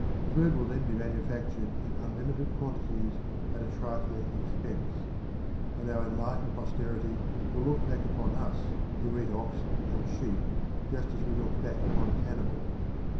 Food will then be manufactured in unlimited quantities at a trifling expense; and our enlightened posterity will look back upon us who eat oxen and sheep just as we look back upon cannibals.